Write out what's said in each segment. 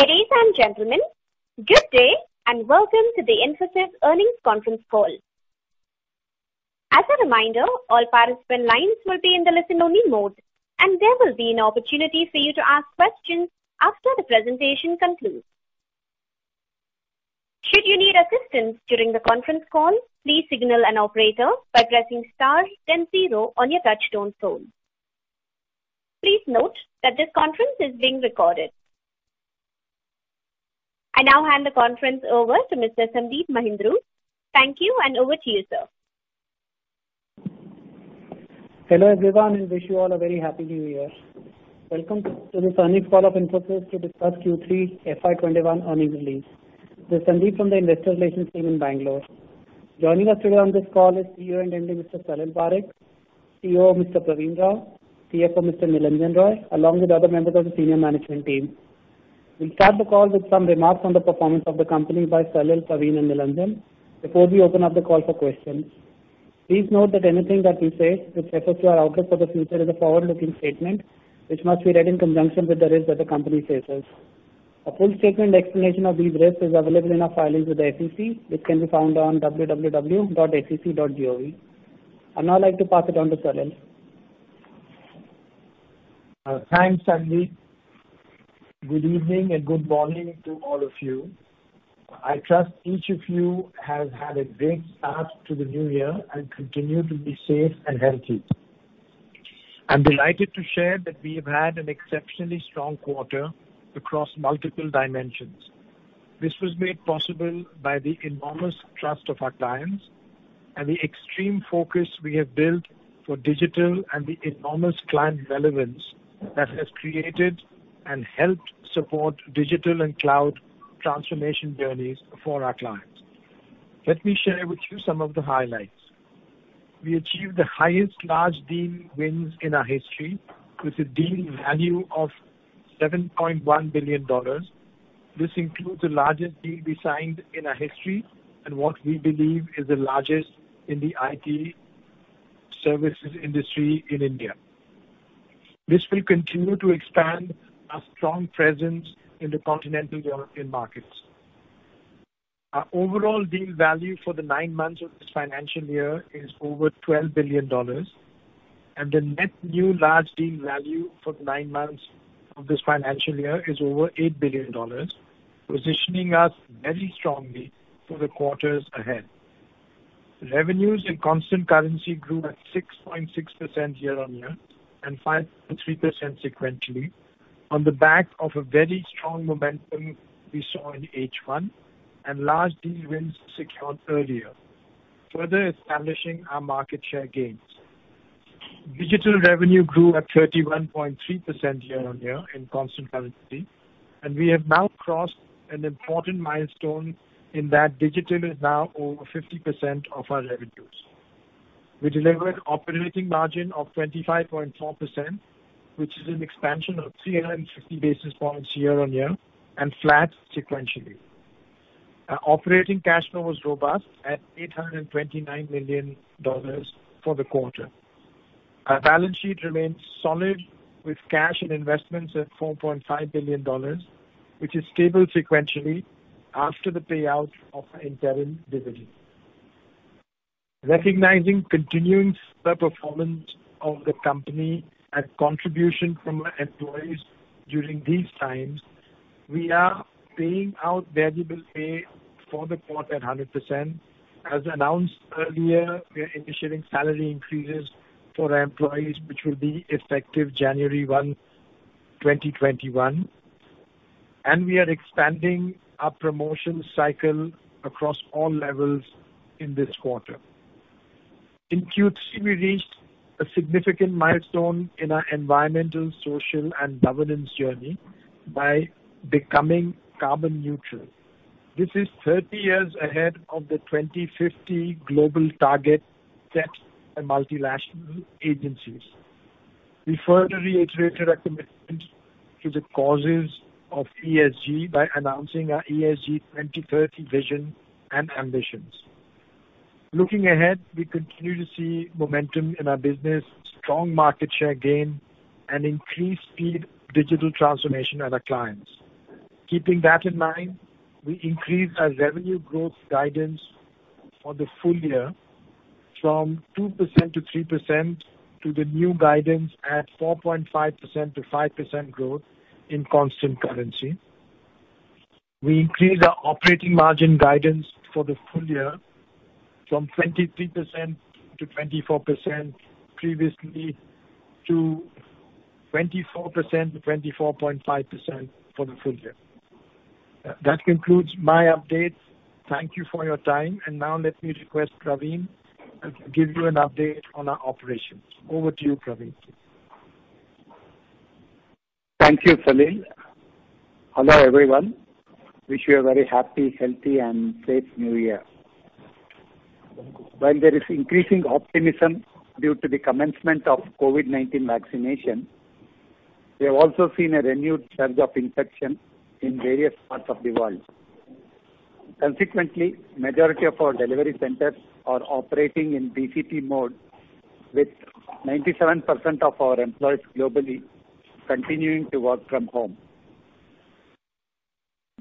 Ladies and gentlemen, good day and welcome to the Infosys earnings conference call. As a reminder, all participant lines will be in the listen-only mode, and there will be an opportunity for you to ask questions after the presentation concludes. Should you need assistance during the conference call, please signal an operator by pressing star then zero on your touch-tone phone. Please note that this conference is being recorded. I now hand the conference over to Mr. Sandeep Mahindroo. Thank you, and over to you, sir. Hello, everyone. I wish you all a very Happy New Year. Welcome to this earnings call of Infosys to discuss Q3 FY 2021 earnings release. This is Sandeep from the investor relations team in Bangalore. Joining us today on this call is CEO and MD, Mr. Salil Parekh; COO, Mr. Pravin Rao; CFO, Mr. Nilanjan Roy; along with other members of the senior management team. We'll start the call with some remarks on the performance of the company by Salil, Pravin, and Nilanjan before we open up the call for questions. Please note that anything that we say with respect to our outlook for the future is a forward-looking statement, which must be read in conjunction with the risks that the company faces. A full statement explanation of these risks is available in our filings with the SEC, which can be found on www.sec.gov. I'd now like to pass it on to Salil. Thanks, Sandeep. Good evening and good morning to all of you. I trust each of you has had a great start to the new year and continue to be safe and healthy. I'm delighted to share that we have had an exceptionally strong quarter across multiple dimensions. This was made possible by the enormous trust of our clients and the extreme focus we have built for digital and the enormous client relevance that has created and helped support digital and cloud transformation journeys for our clients. Let me share with you some of the highlights. We achieved the highest large deal wins in our history with a deal value of $7.1 billion. This includes the largest deal we signed in our history and what we believe is the largest in the IT services industry in India. This will continue to expand our strong presence in the continental European markets. Our overall deal value for the nine months of this financial year is over $12 billion, and the net new large deal value for nine months of this financial year is over $8 billion, positioning us very strongly for the quarters ahead. Revenues in constant currency grew at 6.6% year-on-year and 5.3% sequentially on the back of a very strong momentum we saw in H1 and large deal wins secured earlier, further establishing our market share gains. Digital revenue grew at 31.3% year-on-year in constant currency, and we have now crossed an important milestone in that digital is now over 50% of our revenues. We delivered operating margin of 25.4%, which is an expansion of 350 basis points year-on-year and flat sequentially. Our operating cash flow was robust at $829 million for the quarter. Our balance sheet remains solid with cash and investments at $4.5 billion, which is stable sequentially after the payout of our interim dividend. Recognizing continuing the performance of the company and contribution from our employees during these times, we are paying out variable pay for the quarter at 100%. As announced earlier, we are initiating salary increases for our employees, which will be effective January 1, 2021, and we are expanding our promotion cycle across all levels in this quarter. In Q3, we reached a significant milestone in our Environmental, Social, and Governance journey by becoming carbon neutral. This is 30 years ahead of the 2050 global target set by multinational agencies. We further reiterated our commitment to the causes of ESG by announcing our ESG 2030 Vision and ambitions. Looking ahead, we continue to see momentum in our business, strong market share gain, and increased speed digital transformation at our clients. Keeping that in mind, we increased our revenue growth guidance for the full year from 2%-3% to the new guidance at 4.5%-5% growth in constant currency. We increased our operating margin guidance for the full year from 23%-24% previously to 24%-24.5% for the full year. That concludes my update. Thank you for your time. Now let me request Pravin to give you an update on our operations. Over to you, Pravin. Thank you, Salil. Hello, everyone. Wish you a very happy, healthy, and safe New Year. While there is increasing optimism due to the commencement of COVID-19 vaccination, we have also seen a renewed surge of infection in various parts of the world. Consequently, majority of our delivery centers are operating in BCP mode, with 97% of our employees globally continuing to work from home.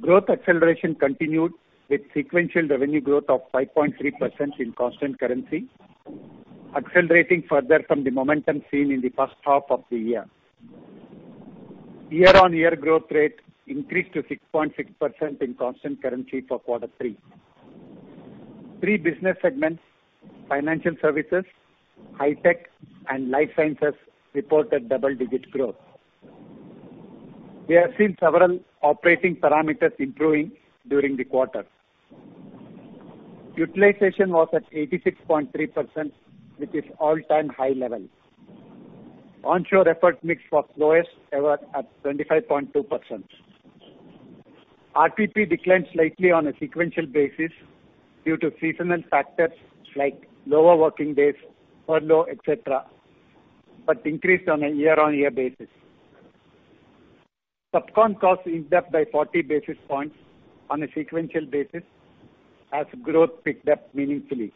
Growth acceleration continued with sequential revenue growth of 5.3% in constant currency, accelerating further from the momentum seen in the first half of the year. Year-on-year growth rate increased to 6.6% in constant currency for quarter three. Three business segments, Financial Services, Hi-Tech, and Life Sciences reported double-digit growth. We have seen several operating parameters improving during the quarter. Utilization was at 86.3%, which is all-time high level. Onshore effort mix was lowest ever at 25.2%. RPP declined slightly on a sequential basis due to seasonal factors like lower working days, furlough, et cetera, but increased on a year-on-year basis. SubCon cost increased up by 40 basis points on a sequential basis as growth picked up meaningfully.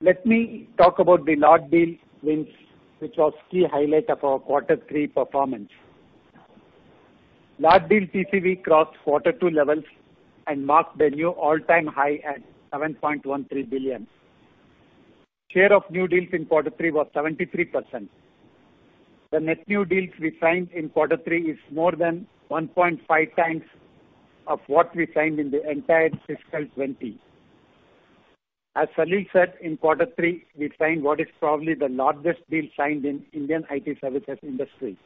Let me talk about the large deal wins, which was key highlight of our quarter three performance. Large deal TCV crossed quarter two levels and marked a new all-time high at $7.13 billion. Share of new deals in quarter three was 73%. The net new deals we signed in quarter three is more than 1.5x of what we signed in the entire fiscal 2020. As Salil said, in quarter three, we signed what is probably the largest deal signed in Indian IT services industry.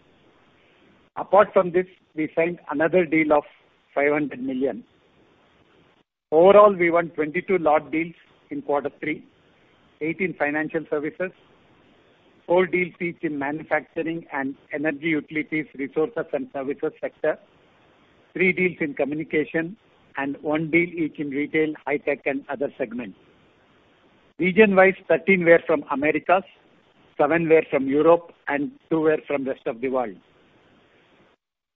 Apart from this, we signed another deal of $500 million. Overall, we won 22 large deals in quarter three, 18 Financial Services, four deal feats in Manufacturing and Energy, Utilities, Resources & Services sector, three deals in Communication, and one deal each in Retail, Hi-Tech, and other segments. Region-wise, 13 were from Americas, seven were from Europe, and two were from rest of the world.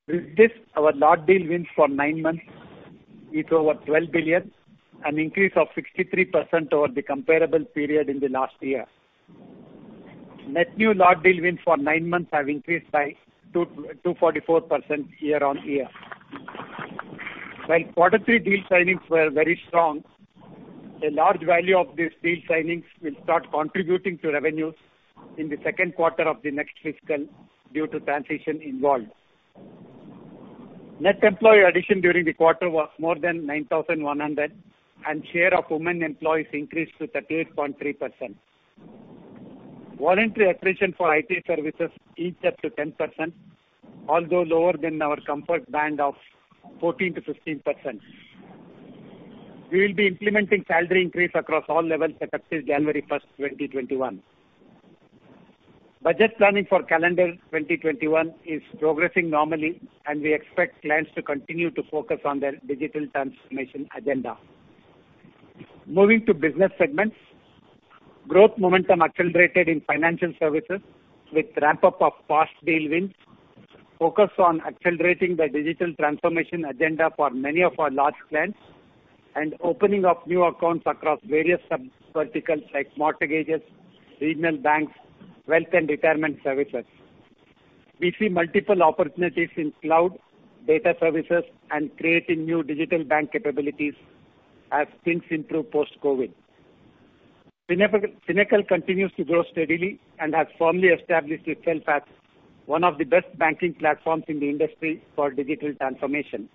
With this, our large deal wins for nine months is over $12 billion, an increase of 63% over the comparable period in the last year. Net new large deal wins for nine months have increased by 244% year-on-year. While quarter three deal signings were very strong, a large value of these deal signings will start contributing to revenues in the second quarter of the next fiscal due to transition involved. Net employee addition during the quarter was more than 9,100, and share of women employees increased to 38.3%. Voluntary attrition for IT services eased up to 10%, although lower than our comfort band of 14%-15%. We will be implementing salary increase across all levels effective January 1st, 2021. Budget planning for calendar 2021 is progressing normally. We expect clients to continue to focus on their digital transformation agenda. Moving to business segments. Growth momentum accelerated in Financial Services with ramp-up of past deal wins, focus on accelerating the digital transformation agenda for many of our large clients, opening up new accounts across various sub-verticals like mortgages, regional banks, wealth and retirement services. We see multiple opportunities in cloud data services and creating new digital bank capabilities as things improve post-COVID-19. Finacle continues to grow steadily and has firmly established itself as one of the best banking platforms in the industry for digital transformation.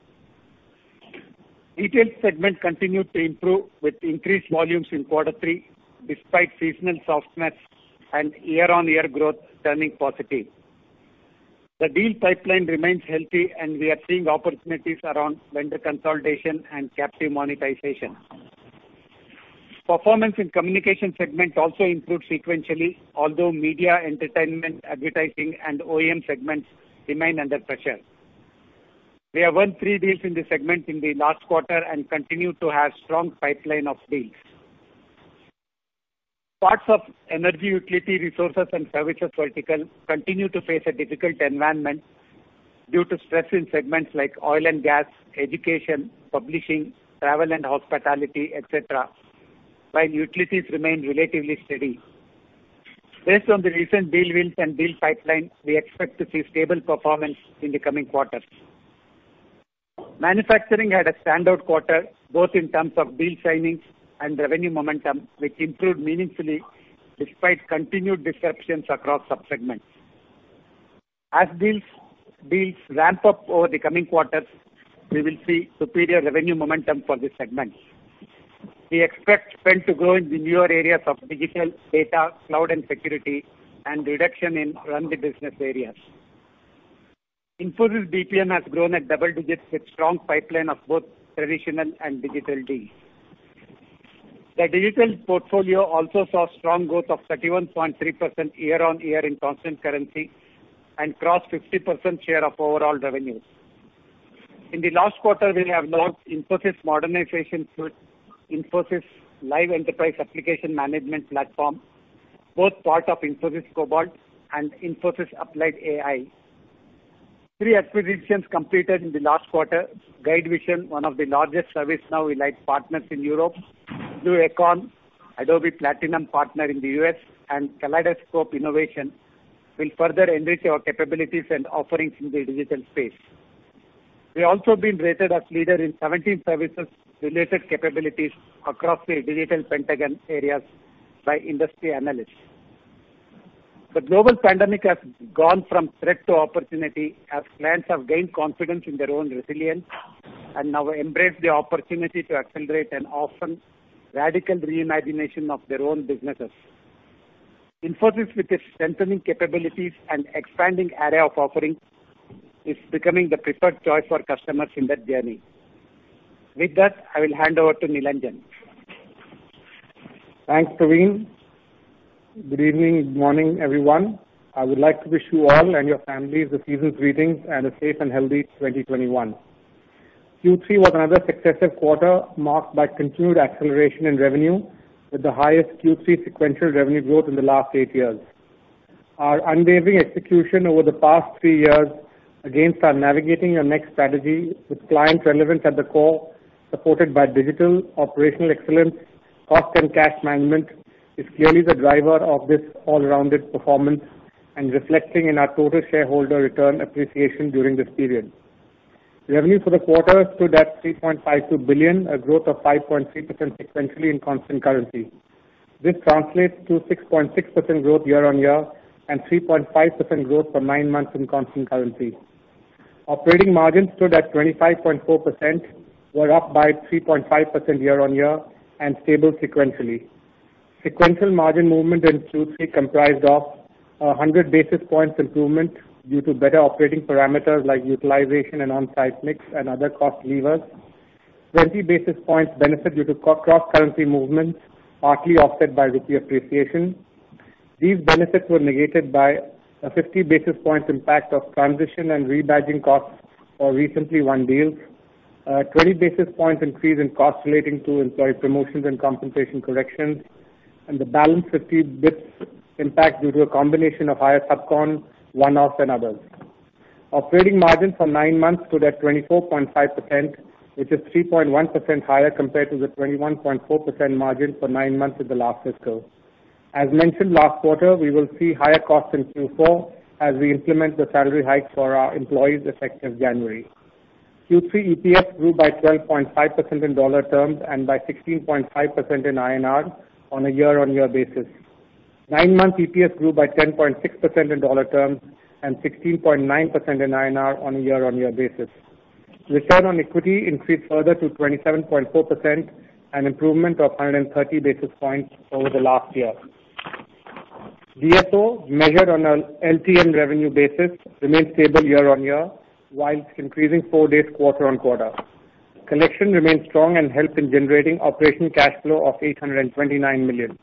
Retail segment continued to improve with increased volumes in quarter three despite seasonal softness and year-on-year growth turning positive. The deal pipeline remains healthy, and we are seeing opportunities around vendor consolidation and captive monetization. Performance in Communication segment also improved sequentially, although media, entertainment, advertising, and OEM segments remain under pressure. We have won three deals in this segment in the last quarter and continue to have strong pipeline of deals. Parts of Energy, Utilities, Resources & Services vertical continue to face a difficult environment due to stress in segments like oil and gas, education, publishing, travel and hospitality, et cetera, while utilities remain relatively steady. Based on the recent deal wins and deal pipeline, we expect to see stable performance in the coming quarters. Manufacturing had a standout quarter, both in terms of deal signings and revenue momentum, which improved meaningfully despite continued disruptions across sub-segments. As deals ramp up over the coming quarters, we will see superior revenue momentum for this segment. We expect spend to grow in the newer areas of digital, data, cloud, and security and reduction in run-the-business areas. Infosys BPM has grown at double digits with strong pipeline of both traditional and digital deals. The digital portfolio also saw strong growth of 31.3% year-over-year in constant currency and crossed 50% share of overall revenues. In the last quarter, we have launched Infosys Modernization Suite, Infosys Live Enterprise Application Management platform. Both part of Infosys Cobalt and Infosys Applied AI. Three acquisitions completed in the last quarter. GuideVision, one of the largest ServiceNow Elite Partners in Europe. Blue Acorn iCi, Adobe Platinum Partner in the U.S. and Kaleidoscope Innovation will further enrich our capabilities and offerings in the digital space. We've also been rated as leader in 17 services related capabilities across the digital pentagon areas by industry analysts. The global pandemic has gone from threat to opportunity as clients have gained confidence in their own resilience and now embrace the opportunity to accelerate an often radical re-imagination of their own businesses. Infosys, with its strengthening capabilities and expanding array of offerings, is becoming the preferred choice for customers in that journey. With that, I will hand over to Nilanjan. Thanks, Pravin. Good evening. Good morning, everyone. I would like to wish you all and your families the season's greetings and a safe and healthy 2021. Q3 was another successive quarter marked by continued acceleration in revenue with the highest Q3 sequential revenue growth in the last eight years. Our unwavering execution over the past three years against our Navigating the Next strategy with client relevance at the core, supported by digital operational excellence, cost and cash management, is clearly the driver of this all-rounded performance and reflecting in our total shareholder return appreciation during this period. Revenue for the quarter stood at $3.52 billion, a growth of 5.3% sequentially in constant currency. This translates to 6.6% growth year-on-year and 3.5% growth for nine months in constant currency. Operating margin stood at 25.4%, were up by 3.5% year-on-year and stable sequentially. Sequential margin movement in Q3 comprised of 100 basis points improvement due to better operating parameters like utilization and on-site mix and other cost levers. 20 basis points benefit due to cross-currency movements, partly offset by rupee appreciation. These benefits were negated by a 50 basis points impact of transition and rebadging costs for recently won deals. A 20 basis points increase in costs relating to employee promotions and compensation corrections, and the balance 50 bps impact due to a combination of higher SubCon, one-offs, and others. Operating margin for nine months stood at 24.5%, which is 3.1% higher compared to the 21.4% margin for nine months in the last fiscal. As mentioned last quarter, we will see higher costs in Q4 as we implement the salary hike for our employees effective January. Q3 EPS grew by 12.5% in dollar terms and by 16.5% in INR on a year-on-year basis. Nine-month EPS grew by 10.6% in dollar terms and 16.9% in INR on a year-on-year basis. Return on equity increased further to 27.4%, an improvement of 130 basis points over the last year. DSO, measured on an LTM revenue basis, remains stable year-on-year while increasing four days quarter-on-quarter. Collection remains strong and helped in generating operational cash flow of $829 million.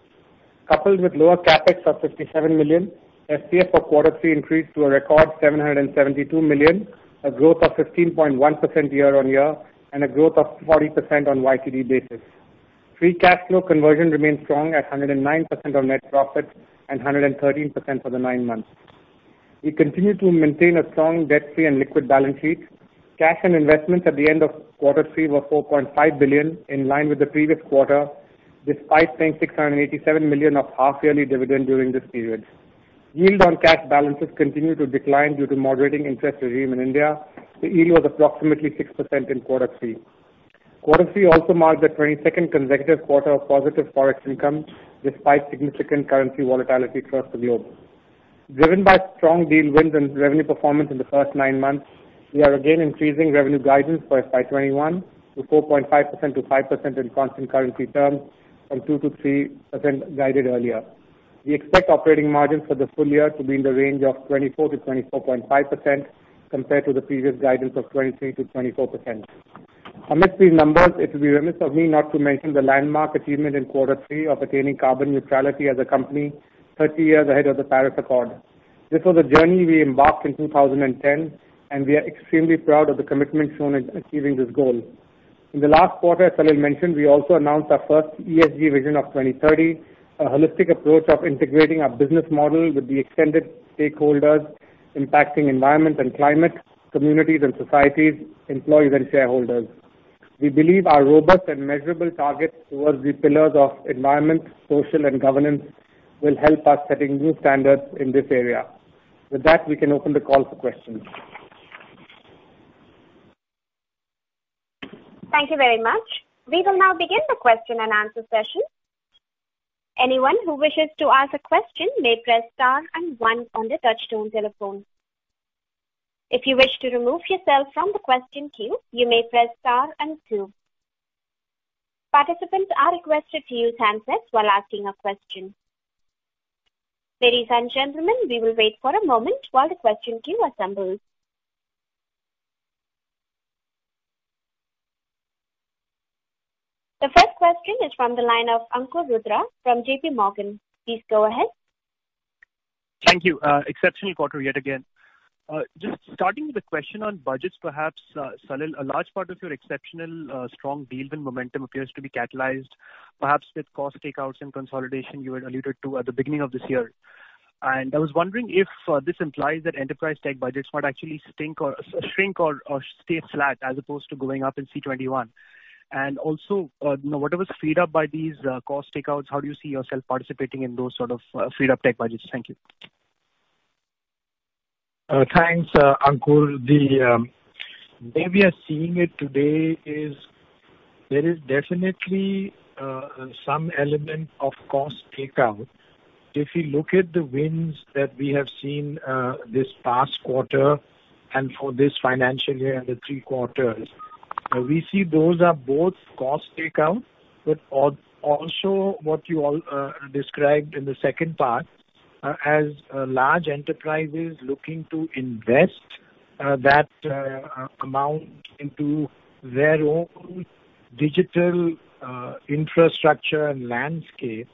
Coupled with lower CapEx of $57 million, FCF for quarter three increased to a record 772 million, a growth of 15.1% year-on-year and a growth of 40% on YTD basis. Free cash flow conversion remains strong at 109% of net profit and 113% for the nine months. We continue to maintain a strong debt-free and liquid balance sheet. Cash and investments at the end of quarter three were $4.5 billion, in line with the previous quarter, despite paying $687 million of half yearly dividend during this period. Yield on cash balances continued to decline due to moderating interest regime in India. The yield was approximately 6% in quarter three. Quarter three also marked the 22nd consecutive quarter of positive Forex income despite significant currency volatility across the globe. Driven by strong deal wins and revenue performance in the first nine months, we are again increasing revenue guidance for FY 2021 to 4.5%-5% in constant currency terms from 2%-3% guided earlier. We expect operating margins for the full year to be in the range of 24%-24.5%, compared to the previous guidance of 23%-24%. Amidst these numbers, it would be remiss of me not to mention the landmark achievement in quarter three of attaining carbon neutrality as a company 30 years ahead of the Paris Agreement. This was a journey we embarked in 2010, and we are extremely proud of the commitment shown in achieving this goal. In the last quarter, as Salil mentioned, we also announced our first ESG Vision 2030, a holistic approach of integrating our business model with the extended stakeholders impacting environment and climate, communities and societies, employees and shareholders. We believe our robust and measurable targets towards the pillars of environment, social, and governance will help us setting new standards in this area. With that, we can open the call for questions. Thank you very much. We will now begin the question-and-answer session. Anyone who wishes to ask a question may press star and one on the touch-tone telephone. If you wish to remove yourself from the question queue, you may press star and two. Participants are requested to use handsets for asking a question. Ladies and gentlemen, we will wait for a moment for the question queue assembles. The first question is from the line of Ankur Rudra from JPMorgan. Please go ahead. Thank you. Exceptional quarter yet again. Just starting with the question on budgets perhaps, Salil, a large part of your exceptional strong deal win momentum appears to be catalyzed, perhaps with cost takeouts and consolidation you had alluded to at the beginning of this year. I was wondering if this implies that enterprise tech budgets might actually shrink or stay flat as opposed to going up in C2021. Also, whatever is freed up by these cost takeouts, how do you see yourself participating in those sort of freed-up tech budgets? Thank you. Thanks, Ankur. The way we are seeing it today is there is definitely some element of cost takeout. If you look at the wins that we have seen this past quarter and for this financial year and the three quarters, we see those are both cost takeout, but also what you described in the second part, as large enterprises looking to invest that amount into their own digital infrastructure and landscape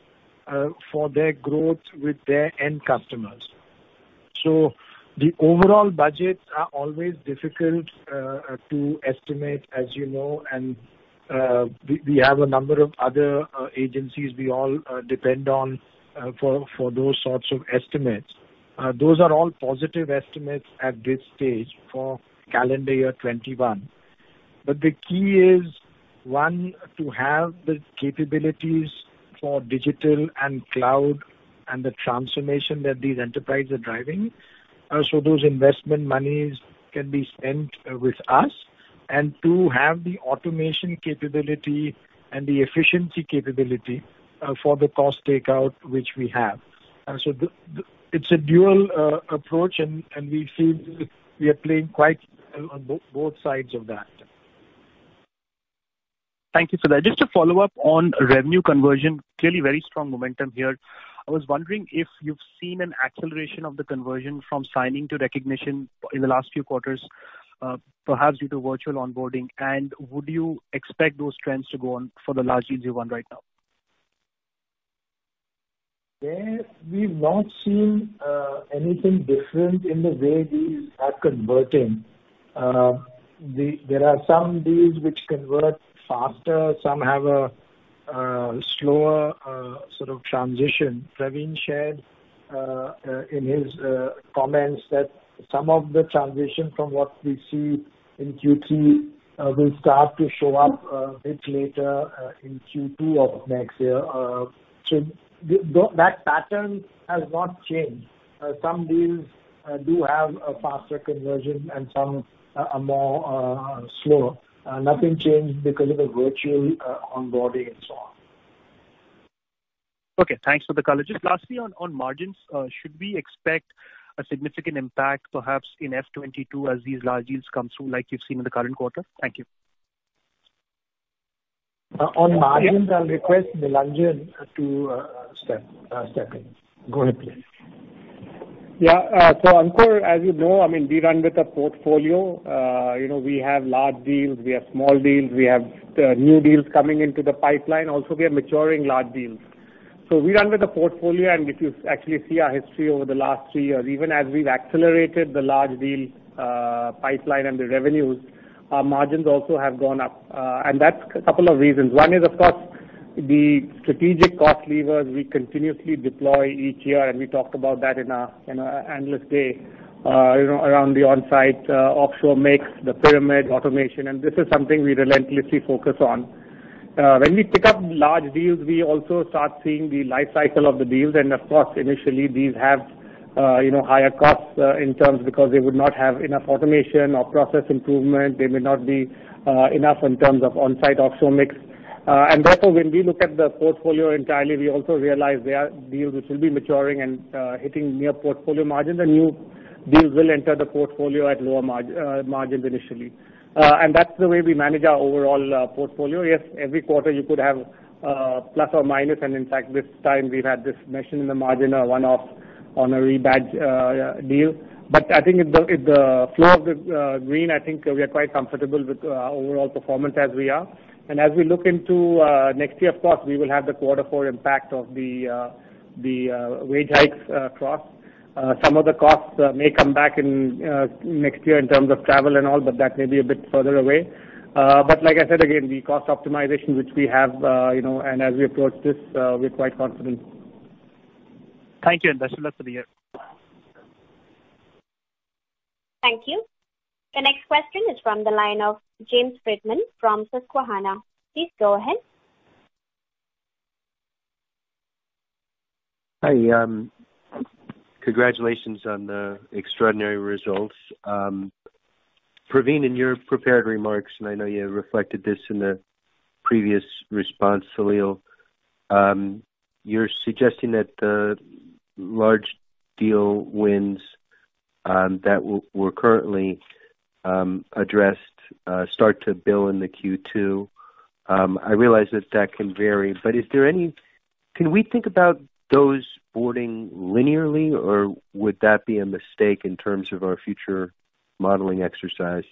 for their growth with their end customers. The overall budgets are always difficult to estimate, as you know, and we have a number of other agencies we all depend on for those sorts of estimates. Those are all positive estimates at this stage for calendar year 2021. The key is, one, to have the capabilities for digital and cloud and the transformation that these enterprises are driving, so those investment monies can be spent with us, and two, have the automation capability and the efficiency capability for the cost takeout which we have. It's a dual approach, and we feel we are playing quite on both sides of that. Thank you for that. Just to follow up on revenue conversion, clearly very strong momentum here. I was wondering if you've seen an acceleration of the conversion from signing to recognition in the last few quarters perhaps due to virtual onboarding, and would you expect those trends to go on for the large deals you won right now? There we've not seen anything different in the way deals are converting. There are some deals which convert faster, some have a slower sort of transition. Pravin shared in his comments that some of the transition from what we see in Q3 will start to show up a bit later in Q2 of next year. That pattern has not changed. Some deals do have a faster conversion and some are more slower. Nothing changed because of the virtual onboarding and so on. Okay. Thanks for the color. Just lastly on margins, should we expect a significant impact perhaps in FY 2022 as these large deals come through like you've seen in the current quarter? Thank you. On margins, I'll request Nilanjan to step in. Go ahead, please. Yeah. Ankur, as you know, we run with a portfolio. We have large deals, we have small deals, we have new deals coming into the pipeline. Also, we have maturing large deals. We run with a portfolio, and if you actually see our history over the last three years, even as we've accelerated the large deal pipeline and the revenues, our margins also have gone up. That's a couple of reasons. One is, of course, the strategic cost levers we continuously deploy each year, and we talked about that in our analyst day around the onsite-offshore mix, the pyramid automation, and this is something we relentlessly focus on. When we pick up large deals, we also start seeing the life cycle of the deals, and of course, initially, these have higher costs in terms because they would not have enough automation or process improvement. They may not be enough in terms of the onsite-offshore mix. Therefore, when we look at the portfolio entirely, we also realize there are deals which will be maturing and hitting near portfolio margins, and new deals will enter the portfolio at lower margins initially. That's the way we manage our overall portfolio. Every quarter you could have a plus or minus, and in fact, this time we've had this mention in the margin, a one-off on a rebadge deal. I think the flow of the green, I think we are quite comfortable with our overall performance as we are. As we look into next year, of course, we will have the quarter full impact of the wage hikes across. Some of the costs may come back in next year in terms of travel and all, but that may be a bit further away. Like I said again, the cost optimization which we have, and as we approach this, we're quite confident. Thank you. Best of luck for the year. Thank you. The next question is from the line of James Friedman from Susquehanna. Please go ahead. Hi. Congratulations on the extraordinary results. Pravin, in your prepared remarks, and I know you reflected this in the previous response, Salil, you are suggesting that the large deal wins that were currently addressed start to bill in the Q2. I realize that that can vary. Can we think about those boardings linearly, or would that be a mistake in terms of our future modeling exercise?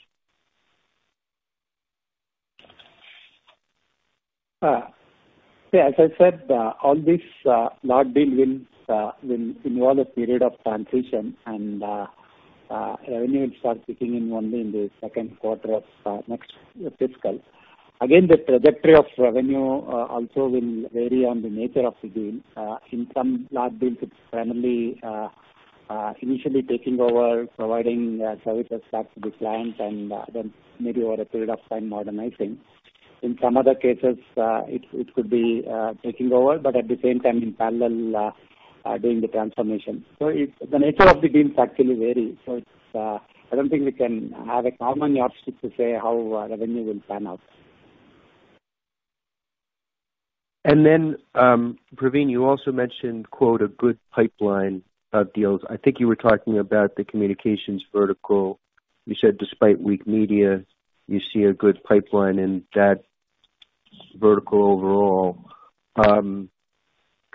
Yeah. As I said, all these large deal wins will involve a period of transition, and revenue will start kicking in only in the second quarter of next fiscal. The trajectory of revenue also will vary on the nature of the deal. In some large deals, it's primarily initially taking over providing services to the client and then maybe over a period of time modernizing. In some other cases, it could be taking over, but at the same time, in parallel, doing the transformation. The nature of the deals actually varies. I don't think we can have a common optic to say how revenue will pan out. Pravin, you also mentioned, quote, "A good pipeline of deals." I think you were talking about the Communications vertical. You said despite weak media, you see a good pipeline in that vertical overall.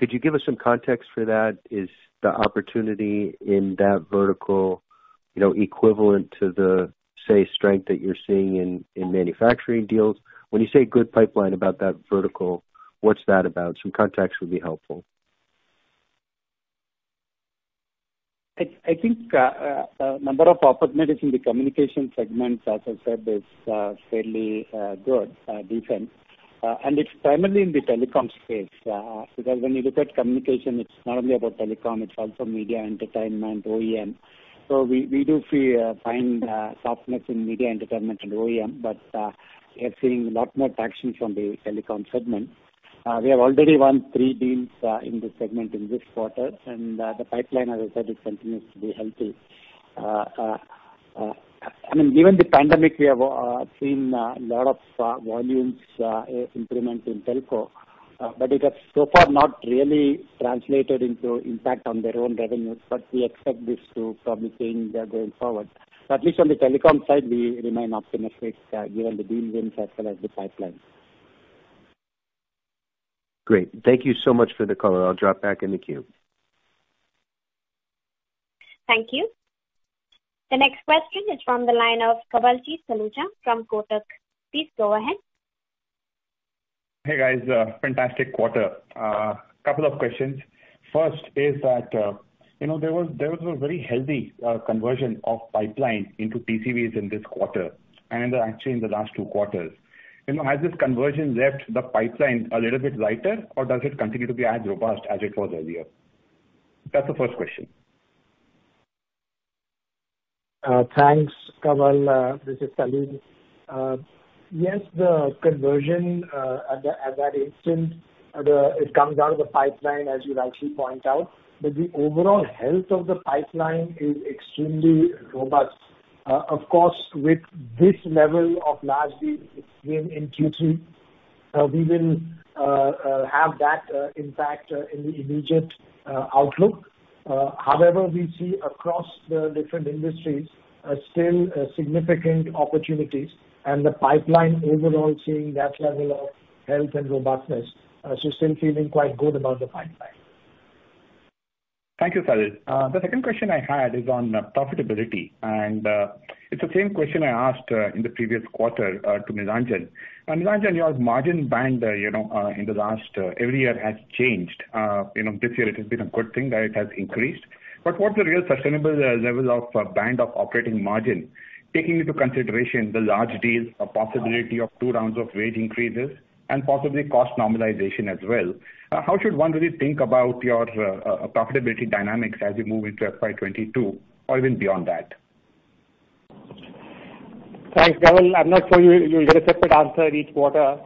Could you give us some context for that? Is the opportunity in that vertical equivalent to the, say, strength that you're seeing in Manufacturing deals? When you say good pipeline about that vertical, what's that about? Some context would be helpful. I think a number of opportunities in the Communication segment, as I said, is fairly good, decent, and it's primarily in the telecom space. When you look at Communication, it's not only about telecom, it's also media, entertainment, OEM. We do find softness in media, entertainment, and OEM, but we are seeing a lot more traction from the telecom segment. We have already won three deals in this segment in this quarter, and the pipeline, as I said, it continues to be healthy. Given the pandemic, we have seen a lot of volumes implement in telco. It has so far not really translated into impact on their own revenues, but we expect this to probably change going forward. At least on the telecom side, we remain optimistic given the deal wins as well as the pipeline. Great. Thank you so much for the color. I'll drop back in the queue. Thank you. The next question is from the line of Kawaljeet Saluja from Kotak. Please go ahead. Hey, guys. Fantastic quarter. A couple of questions. First is that there was a very healthy conversion of pipeline into TCV in this quarter, and actually in the last two quarters. Has this conversion left the pipeline a little bit lighter, or does it continue to be as robust as it was earlier? That's the first question. Thanks, Kawal. This is Salil. Yes, the conversion at that instance, it comes out of the pipeline, as you rightly point out. The overall health of the pipeline is extremely robust. Of course, with this level of large deals seen in Q3, we will have that impact in the immediate outlook. However, we see across the different industries still significant opportunities and the pipeline overall seeing that level of health and robustness. We are still feeling quite good about the pipeline. Thank you, Salil. The second question I had is on profitability, and it's the same question I asked in the previous quarter to Nilanjan. Nilanjan, your margin band in the last every year has changed. This year it has been a good thing that it has increased. What's the real sustainable level of band of operating margin, taking into consideration the large deals, a possibility of two rounds of wage increases, and possibly cost normalization as well? How should one really think about your profitability dynamics as we move into FY 2022 or even beyond that? Thanks, Kawal. I'm not sure you'll get a separate answer each quarter.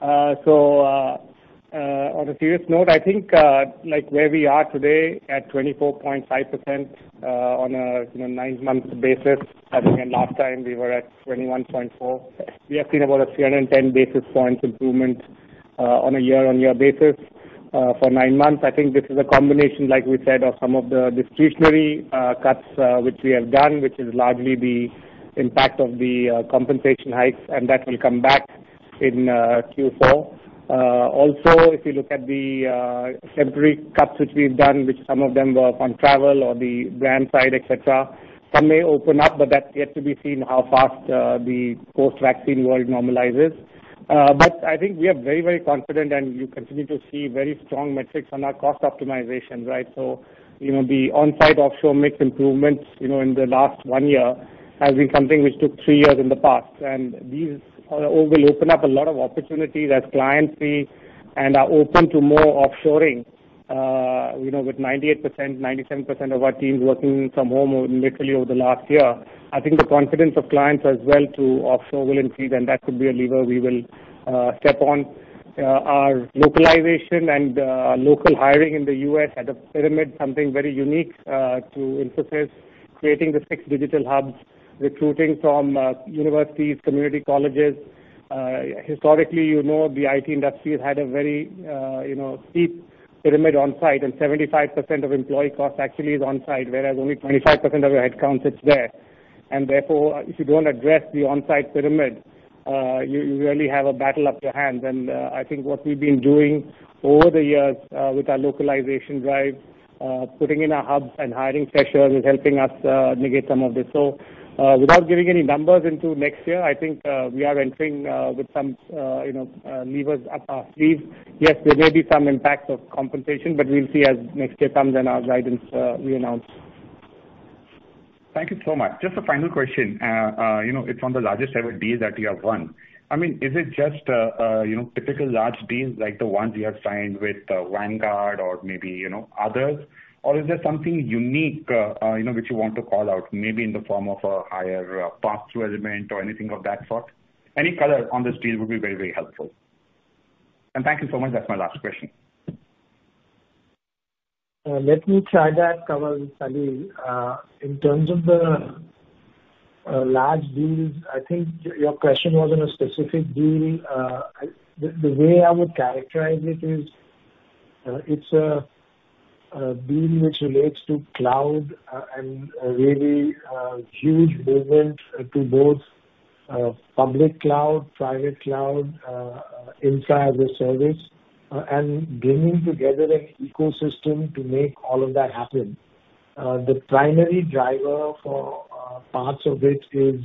On a serious note, I think where we are today at 24.5% on a nine-month basis. I think in last time we were at 21.4%. We have seen about a 310 basis points improvement on a year-on-year basis for nine months. I think this is a combination, like we said, of some of the discretionary cuts which we have done, which is largely the impact of the compensation hikes, and that will come back in Q4. Also, if you look at the temporary cuts which we've done, which some of them were on travel or the brand side, et cetera. Some may open up, but that's yet to be seen how fast the post-vaccine world normalizes. I think we are very confident and you continue to see very strong metrics on our cost optimization, right? The on-site offshore mix improvements in the last one year has been something which took three years in the past. These will open up a lot of opportunities as clients see and are open to more offshoring. With 98%, 97% of our teams working from home literally over the last year, I think the confidence of clients as well to offshore will increase, and that could be a lever we will step on. Our localization and local hiring in the U.S. had a pyramid, something very unique to Infosys, creating the six digital hubs, recruiting from universities and community colleges. Historically, you know the IT industry has had a very steep pyramid on-site, and 75% of employee cost actually is on-site, whereas only 25% of your headcount sits there. Therefore, if you don't address the on-site pyramid, you really have a battle up your hands. I think what we've been doing over the years with our localization drive, putting in our hubs and hiring freshers is helping us negate some of this. Without giving any numbers into next year, I think we are entering with some levers up our sleeves. Yes, there may be some impact of compensation, but we'll see as next year comes and our guidance, we announce. Thank you so much. Just a final question. It's one of the largest ever deals that you have won. Is it just a typical large deals like the ones you have signed with Vanguard or maybe others? Or is there something unique, which you want to call out, maybe in the form of a higher pass-through element or anything of that sort? Any color on this deal would be very, very helpful. Thank you so much. That's my last question. Let me try that, Kawal. It's Salil. In terms of the large deals, I think your question was on a specific deal. The way I would characterize it is, it's a deal which relates to cloud, and a really huge movement to both public cloud, private cloud, inside the service, and bringing together an ecosystem to make all of that happen. The primary driver for parts of it is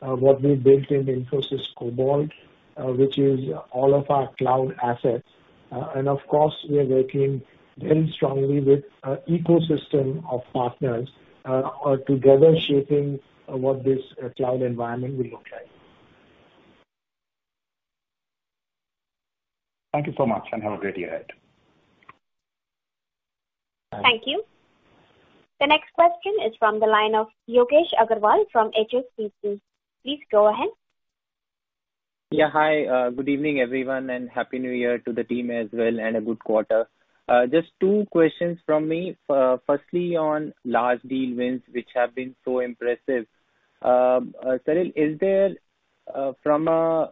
what we built in Infosys Cobalt, which is all of our cloud assets. Of course, we are working very strongly with ecosystem of partners are together shaping what this cloud environment will look like. Thank you so much, and have a great year ahead. Bye. Thank you. The next question is from the line of Yogesh Aggarwal from HSBC. Please go ahead. Hi. Good evening, everyone, and Happy New Year to the team as well, and a good quarter. Just two questions from me. Firstly, on large deal wins, which have been so impressive. Salil, from a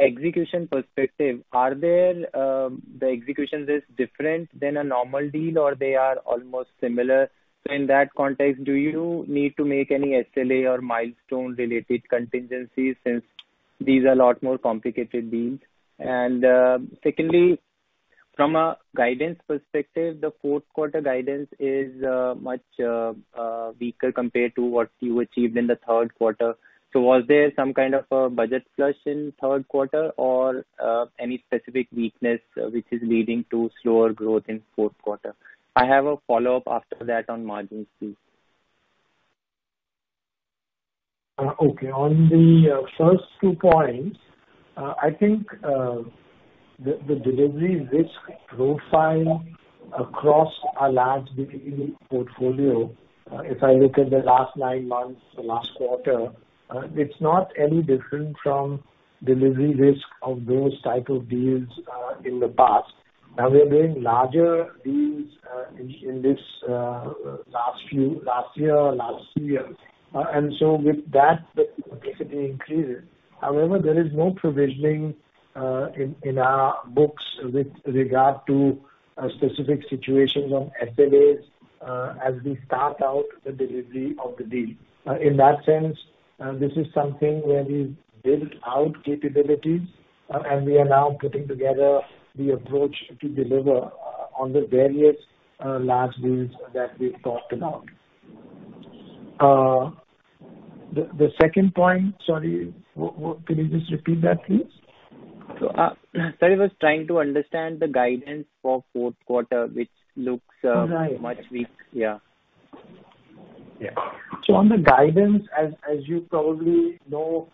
execution perspective, are the execution risks different than a normal deal or they are almost similar? In that context, do you need to make any SLA or milestone-related contingencies since these are a lot more complicated deals? Secondly, from a guidance perspective, the fourth quarter guidance is much weaker compared to what you achieved in the third quarter. Was there some kind of a budget flush in third quarter or any specific weakness which is leading to slower growth in fourth quarter? I have a follow-up after that on margins too. Okay. On the first two points, I think, the delivery risk profile across our large deal portfolio, if I look at the last nine months or last quarter, it's not any different from delivery risk of those types of deals in the past. We are doing larger deals in this last year or last two years. With that, the complexity increases. However, there is no provisioning in our books with regard to specific situations on SLAs as we start out the delivery of the deal. In that sense, this is something where we've built out capabilities, and we are now putting together the approach to deliver on the various large deals that we've talked about. The second point, sorry. Can you just repeat that, please? Sorry. Was trying to understand the guidance for fourth quarter, which looks- Right. -much weak. Yeah. Yeah. On the guidance, as you probably know,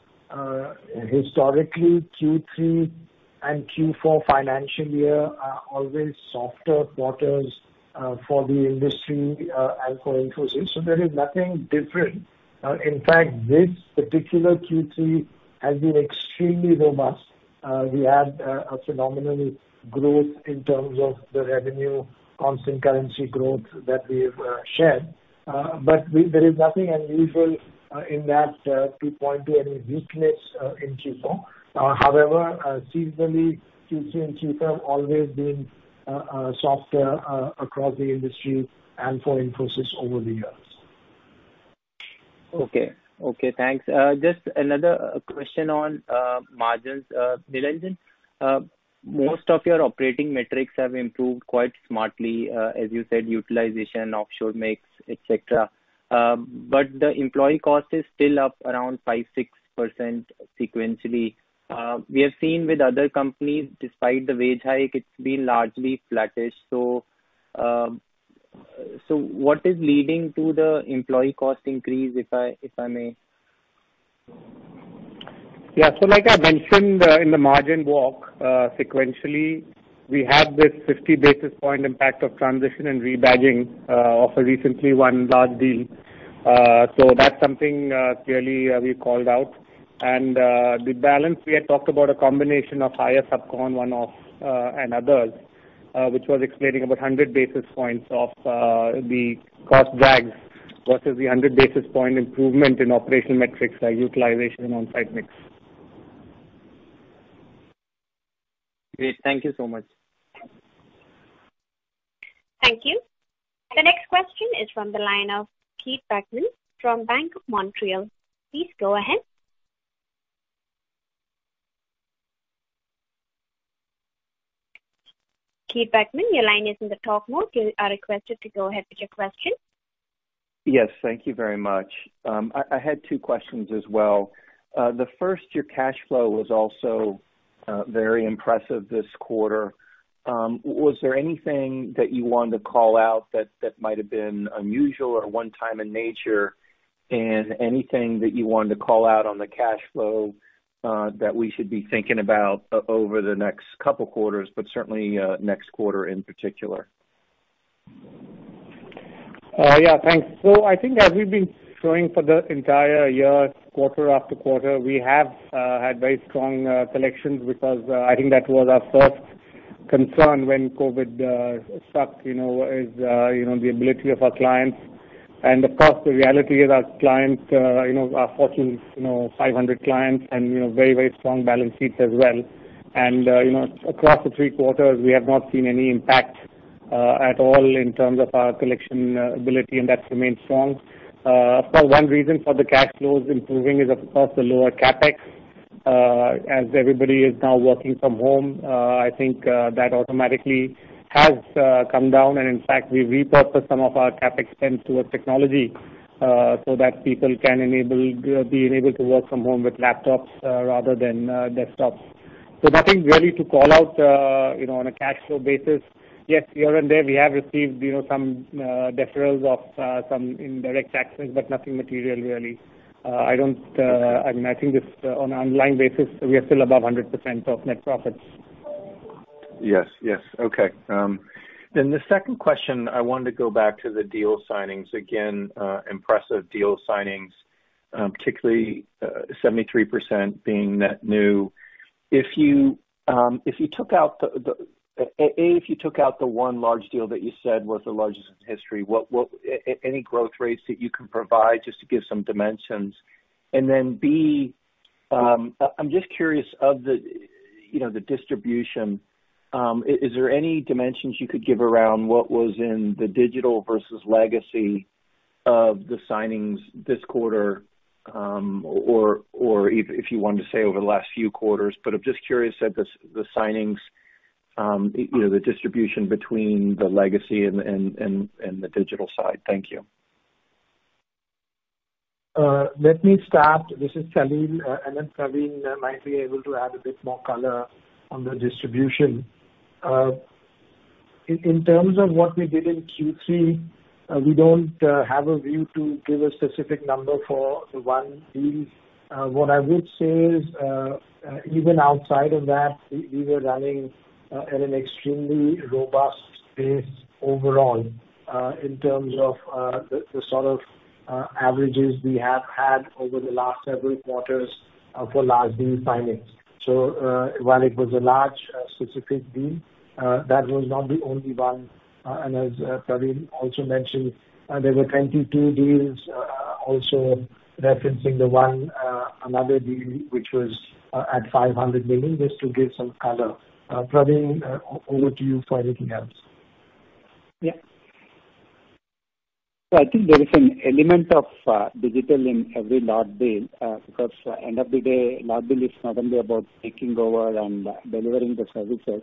historically, Q3 and Q4 financial year are always softer quarters for the industry and for Infosys, there is nothing different. In fact, this particular Q3 has been extremely robust. We had a phenomenal growth in terms of the revenue, constant currency growth that we've shared. There is nothing unusual in that to point to any weakness in Q4. However, seasonally, Q3 and Q4 have always been softer across the industry and for Infosys over the years. Okay. Thanks. Just another question on margins. Nilanjan. Most of your operating metrics have improved quite smartly. As you said, utilization, offshore mix, et cetera. The employee cost is still up around 5%-6% sequentially. We have seen with other companies, despite the wage hike, it's been largely flattish. What is leading to the employee cost increase, if I may? Like I mentioned in the margin walk, sequentially, we have this 50 basis point impact of transition and rebadging of a recently won large deal. That's something clearly we called out. The balance we had talked about a combination of higher SubCon one-off and others, which was explaining about 100 basis points of the cost drags versus the 100 basis point improvement in operational metrics like utilization and onsite mix. Great. Thank you so much. Thank you. The next question is from the line of Keith Bachman from Bank of Montreal. Please go ahead. Keith Bachman, your line is in the talk mode. You are requested to go ahead with your question. Yes. Thank you very much. I had two questions as well. The first, your cash flow was also very impressive this quarter. Was there anything that you wanted to call out that might have been unusual or one-time in nature? Anything that you wanted to call out on the cash flow, that we should be thinking about over the next couple of quarters, but certainly next quarter in particular. Thanks. I think as we’ve been showing for the entire year, quarter after quarter, we have had very strong collections because I think that was our first concern when COVID struck, is the ability of our clients. Of course, the reality is our clients, our Fortune 500 clients, and very strong balance sheets as well. Across the three quarters, we have not seen any impact at all in terms of our collection ability, and that remains strong. Of course, one reason for the cash flows improving is of course, the lower CapEx. As everybody is now working from home, I think that automatically has come down, and in fact, we repurposed some of our CapEx spend towards technology, so that people can be enabled to work from home with laptops rather than desktops. Nothing really to call out on a cash flow basis. Yes, here and there we have received some deferrals of some indirect taxes, but nothing material really. I think just on a line basis, we are still above 100% of net profits. Yes. Okay. The second question, I wanted to go back to the deal signings. Again, impressive deal signings, particularly 73% being net new. A, if you took out the one large deal that you said was the largest in history, any growth rates that you can provide just to give some dimensions? B, I'm just curious of the distribution. Is there any dimensions you could give around what was in the digital versus legacy of the signings this quarter? Or if you wanted to say over the last few quarters, but I'm just curious at the signings, the distribution between the legacy and the digital side. Thank you. Let me start. This is Salil. Then Pravin might be able to add a bit more color on the distribution. In terms of what we did in Q3, we don't have a view to give a specific number for the one deal. What I would say is, even outside of that, we were running at an extremely robust pace overall, in terms of the sort of averages we have had over the last several quarters for large deal signings. While it was a large specific deal, that was not the only one. As Pravin also mentioned, there were 22 deals also referencing the one, another deal which was at $500 million, just to give some color. Pravin, over to you for anything else. I think there is an element of digital in every large deal. Because end of the day, large deal is not only about taking over and delivering the services,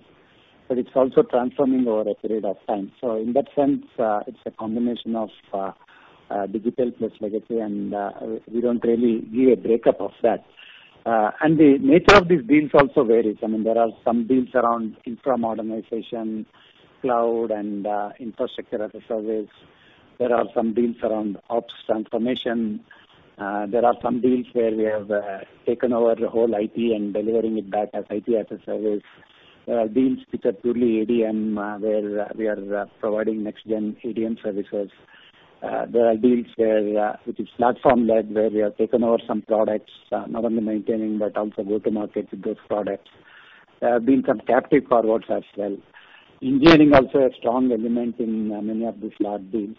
but it's also transforming over a period of time. In that sense, it's a combination of digital plus legacy, and we don't really give a breakup of that. The nature of these deals also varies. There are some deals around infra modernization, cloud, and Infrastructure as a Service. There are some deals around ops transformation. There are some deals where we have taken over the whole IT and delivering it back as IT as a service. There are deals which are purely ADM, where we are providing next gen ADM services. There are deals which is platform-led, where we have taken over some products, not only maintaining but also go to market with those products. There have been some captive forwards as well. Engineering also a strong element in many of these large deals.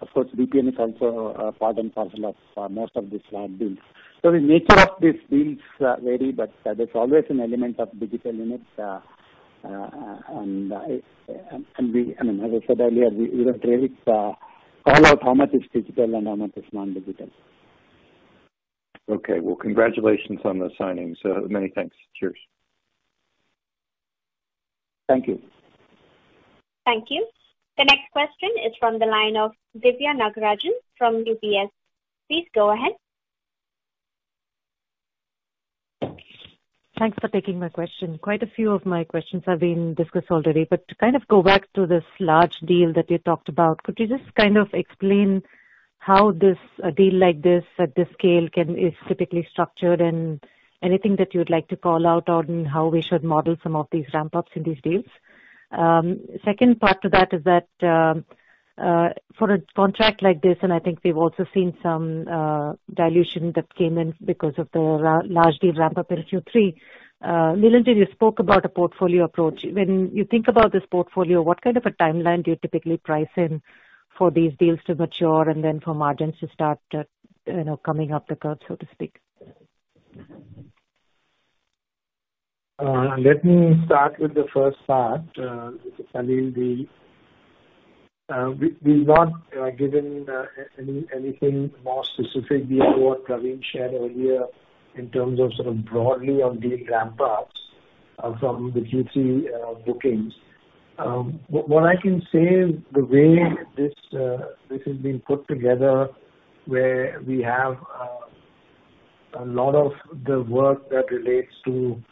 Of course, BPM is also part and parcel of most of these large deals. The nature of these deals vary, but there's always an element of digital in it. As I said earlier, we don't really call out how much is digital and how much is non-digital. Okay. Well, congratulations on the signings. Many thanks. Cheers. Thank you. Thank you. The next question is from the line of Diviya Nagarajan from UBS. Please go ahead. Thanks for taking my question. Quite a few of my questions have been discussed already. To kind of go back to this large deal that you talked about, could you just explain how a deal like this at this scale is typically structured and anything that you would like to call out on how we should model some of these ramp-ups in these deals? Second part to that is that, for a contract like this, and I think we've also seen some dilution that came in because of the large deal ramp-up in Q3. Nilanjan, you spoke about a portfolio approach. When you think about this portfolio, what kind of a timeline do you typically price in? For these deals to mature and then for margins to start coming up the curve, so to speak. Let me start with the first part. Salil here. We're not given anything more specific beyond what Pravin shared earlier in terms of sort of broadly on deal ramp-ups from the Q3 bookings. What I can say is the way this has been put together, where we have a lot of the work that relates to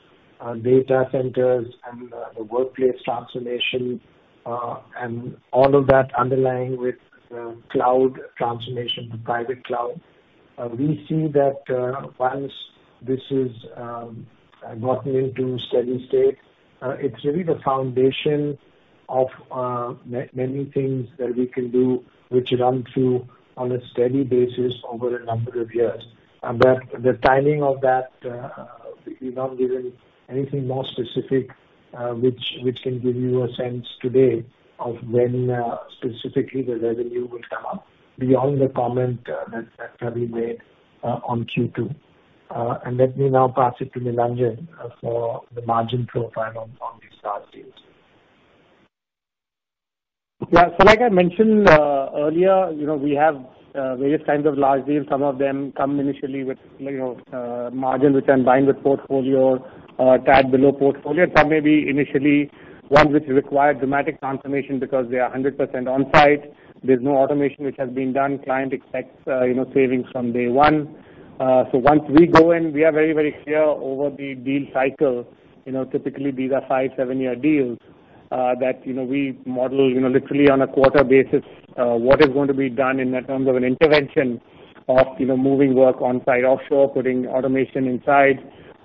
data centers and the workplace transformation, and all of that underlying with the cloud transformation to private cloud. We see that once this is gotten into a steady state, it's really the foundation of many things that we can do, which run through on a steady basis over a number of years. But the timing of that, we've not given anything more specific, which can give you a sense today of when specifically, the revenue will come up beyond the comment that Pravin made on Q2. Let me now pass it to Nilanjan for the margin profile on these large deals. Like I mentioned earlier, we have various kinds of large deals. Some of them come initially with margins which can bind with portfolio or a tad below portfolio. Some may be initially ones which require dramatic transformation because they are 100% on-site. There's no automation which has been done. Client expects savings from day one. Once we go in, we are very, very clear over the deal cycle. Typically, these are five, seven-year deals that we model literally on a quarter basis, what is going to be done in terms of an intervention of moving work on-site, offshore, putting automation inside,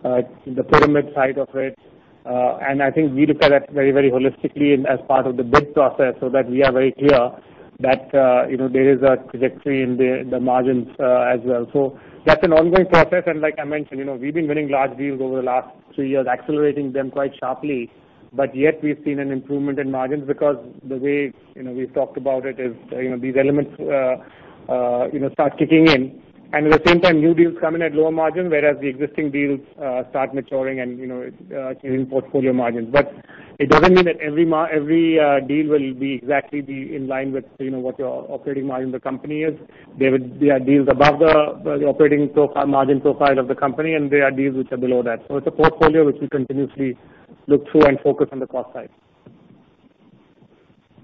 the pyramid side of it. I think we look at that very, very holistically and as part of the bid process so that we are very clear that there is a trajectory in the margins as well. That's an ongoing process. Like I mentioned, we've been winning large deals over the last three years, accelerating them quite sharply. Yet we've seen an improvement in margins because the way we've talked about it is these elements start kicking in. At the same time, new deals come in at lower margins whereas the existing deals start maturing and giving portfolio margins. It doesn't mean that every deal will exactly be in line with what your operating margin of the company is. There are deals above the operating margin profile of the company, and there are deals which are below that. It's a portfolio which we continuously look through and focus on the cost side.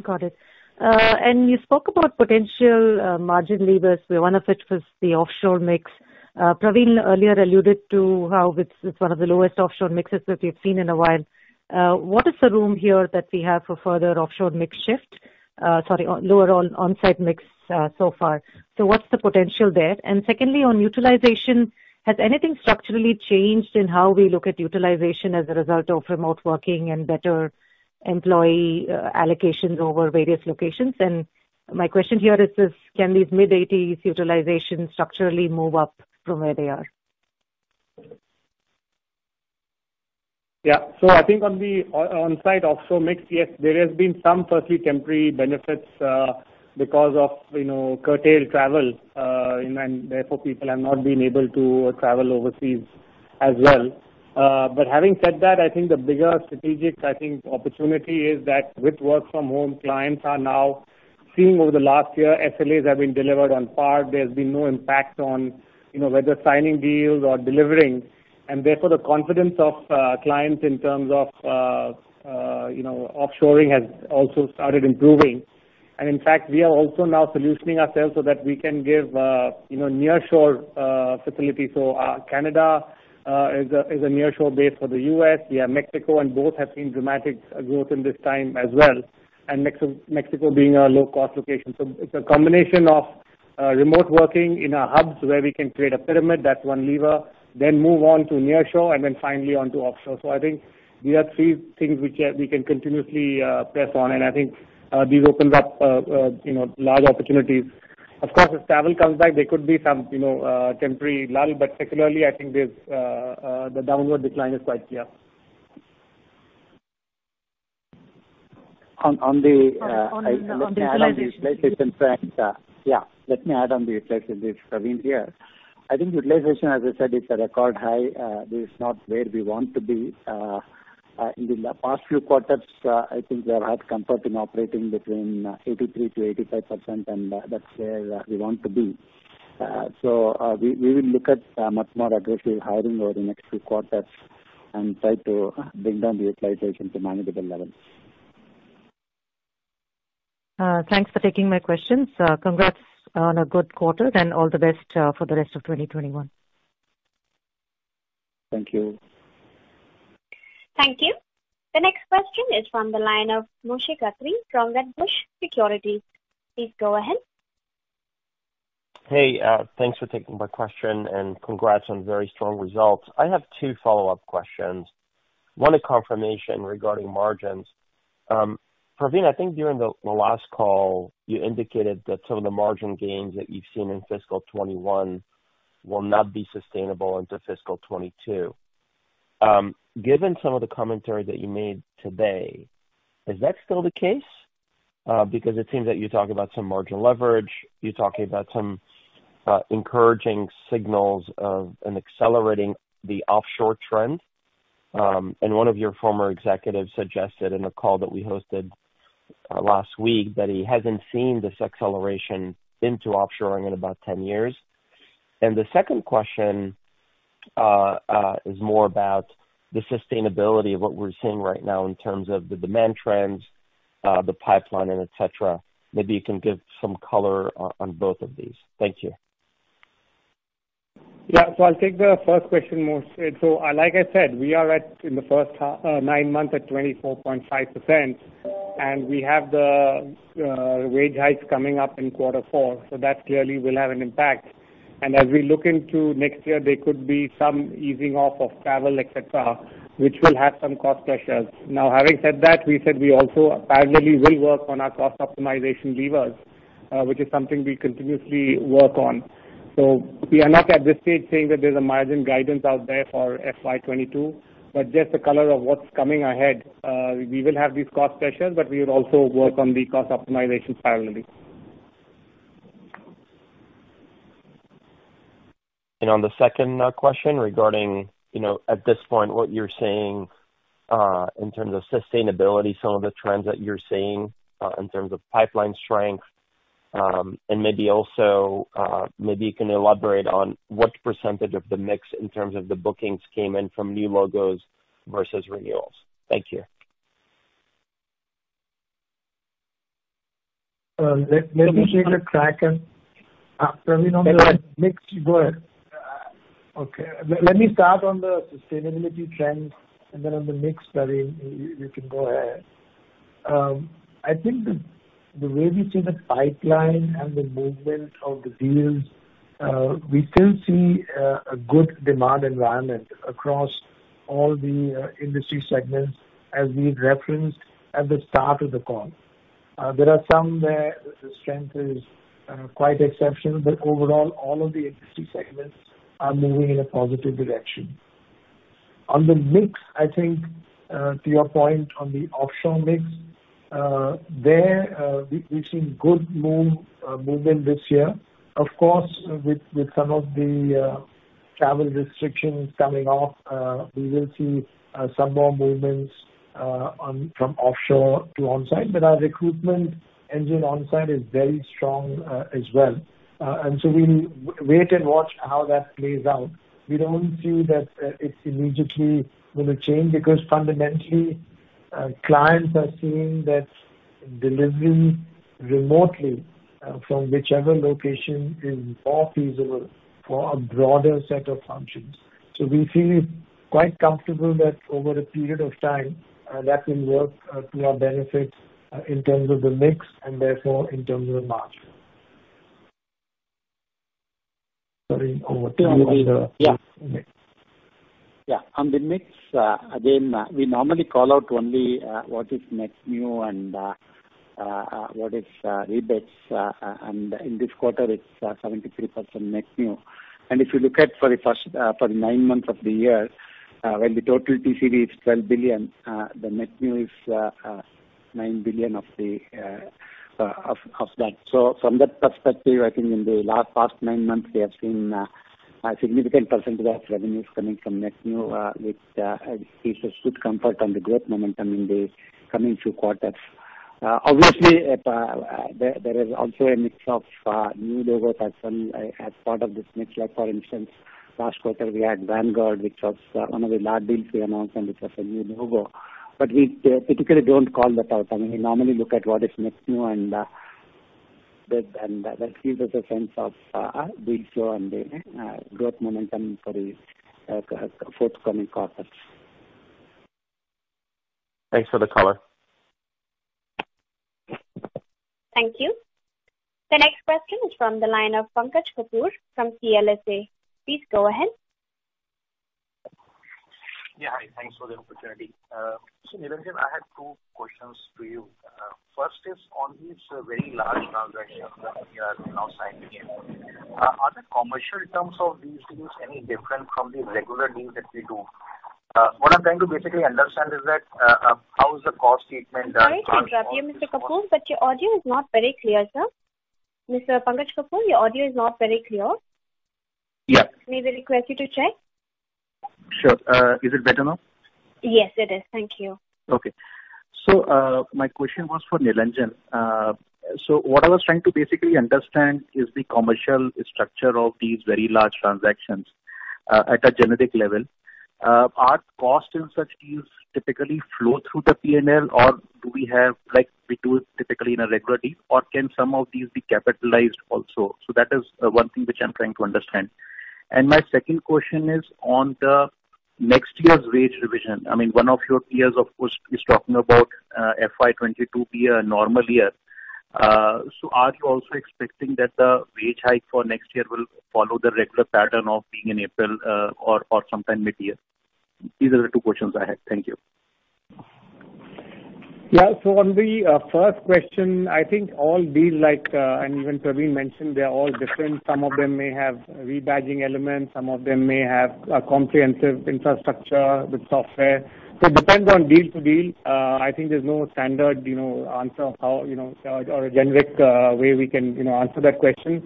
Got it. You spoke about potential margin levers, where one of it was the offshore mix. Pravin earlier alluded to how it's one of the lowest offshore mixes that we've seen in a while. What is the room here that we have for further offshore mix shift? Sorry, lower on-site mix so far. What's the potential there? Secondly, on utilization, has anything structurally changed in how we look at utilization as a result of remote working and better employee allocations over various locations? My question here is this, can these mid-80s utilizations structurally move up from where they are? I think on the on-site offshore mix, yes, there has been some firstly temporary benefits, because of curtailed travel, and therefore people have not been able to travel overseas as well. Having said that, I think the bigger strategic opportunity is that with work-from-home clients are now seeing over the last year SLAs have been delivered on par. There's been no impact on whether signing deals or delivering. Therefore, the confidence of clients in terms of offshoring has also started improving. In fact, we are also now solutioning ourselves so that we can give a nearshore facility. Canada is a nearshore base for the U.S. We have Mexico, both have seen dramatic growth in this time as well, Mexico being a low-cost location. It's a combination of remote working in our hubs where we can create a pyramid, that's one lever, then move on to nearshore and then finally onto offshore. I think these are three things which we can continuously press on. I think this opens up large opportunities. Of course, if travel comes back, there could be some temporary lull, but secularly, I think the downward decline is quite clear. On the- On the utilization piece. Let me add on the utilization, Pravin here. I think utilization, as I said, is at a record high. This is not where we want to be. In the past few quarters, I think we have had comfort in operating between 83%-85%, and that's where we want to be. We will look at much more aggressive hiring over the next few quarters and try to bring down the utilization to manageable levels. Thanks for taking my questions. Congrats on a good quarter, and all the best for the rest of 2021. Thank you. Thank you. The next question is from the line of Moshe Katri from Wedbush Securities. Please go ahead. Hey, thanks for taking my question, and congrats on very strong results. I have two follow-up questions. One is confirmation regarding margins. Pravin, I think during the last call, you indicated that some of the margin gains that you've seen in FY 2021 will not be sustainable into FY 2022. Given some of the commentary that you made today, is that still the case? It seems that you're talking about some margin leverage. You're talking about some encouraging signals of an accelerating the offshore trend, and one of your former executives suggested in a call that we hosted last week that he hasn't seen this acceleration into offshoring in about 10 years. The second question is more about the sustainability of what we're seeing right now in terms of the demand trends, the pipeline, and et cetera. Maybe you can give some color on both of these. Thank you. I'll take the first question, Moshe. Like I said, we are at, in the first nine months, at 24.5%, and we have the wage hikes coming up in quarter four, that clearly will have an impact. As we look into next year, there could be some easing off of travel, et cetera, which will have some cost pressures. Now, having said that, we said we also parallelly will work on our cost optimization levers, which is something we continuously work on. We are not at this stage saying that there's a margin guidance out there for FY 2022, just the color of what's coming ahead. We will have these cost pressures; we would also work on the cost optimization in parallel. On the second question regarding, at this point, what you're seeing, in terms of sustainability, some of the trends that you're seeing, in terms of pipeline strength, and maybe you can elaborate on what percentage of the mix in terms of the bookings came in from new logos versus renewals. Thank you. Let me take a crack at- Pravin Mix. Go ahead. Okay. Let me start on the sustainability trends, and then on the mix study, you can go ahead. I think the way we see the pipeline and the movement of the deals, we still see a good demand environment across all the industry segments, as we had referenced at the start of the call. There are some where the strength is quite exceptional, but overall, all of the industry segments are moving in a positive direction. On the mix, I think, to your point on the offshore mix, there, we've seen good movement this year. Of course, with some of the travel restrictions coming off, we will see some more movements from offshore to onsite. Our recruitment engine onsite is very strong as well. We wait and watch how that plays out. We don't see that it's immediately going to change because fundamentally, clients are seeing that delivering remotely from whichever location is more feasible for a broader set of functions. We feel quite comfortable that over a period of time, that will work to our benefit in terms of the mix and therefore in terms of margin. Pravin, over to you on the mix. On the mix, again, we normally call out only what is net new and what is renewals, in this quarter it's 73% net new. If you look at for the nine months of the year, when the total TCV is $12 billion, the net new is $9 billion of that. From that perspective, I think in the past nine months we have seen a significant percentage of revenues coming from net new, which gives us good comfort on the growth momentum in the coming few quarters. Obviously, there is also a mix of new logo that's come as part of this mix. Like for instance, last quarter we had Vanguard, which was one of the large deals we announced, this was a new logo. We particularly don't call that out. I mean, we normally look at what is net new and that gives us a sense of deal flow and the growth momentum for forthcoming quarters. Thanks for the color. Thank you. The next question is from the line of Pankaj Kapoor from CLSA. Please go ahead. Yeah. Hi, thanks for the opportunity. Nilanjan, I had two questions to you. First is on these very large transactions that you are now signing. Are the commercial terms of these deals any different from the regular deals that we do? What I'm trying to basically understand is that, how is the cost of treatment done? Sorry to interrupt you, Mr. Kapoor. Your audio is not very clear, sir. Mr. Pankaj Kapoor, your audio is not very clear. Yeah. May we request you to check? Sure. Is it better now? Yes, it is. Thank you. Okay. My question was for Nilanjan. What I was trying to basically understand is the commercial structure of these very large transactions at a generic level. Are costs in such deals typically flow through the P&L, or do we have like we do it typically in a regular deal, or can some of these be capitalized also? That is one thing which I'm trying to understand. My second question is on the next year's wage revision. I mean, one of your peers, of course, is talking about FY 2022 be a normal year. Are you also expecting that the wage hike for next year will follow the regular pattern of being in April or sometime mid-year? These are the two questions I had. Thank you. Yeah. On the first question, I think all deals, and even Pravin mentioned they're all different. Some of them may have rebadging elements, some of them may have a comprehensive infrastructure with software. It depends on deal to deal. I think there's no standard answer or a generic way we can answer that question.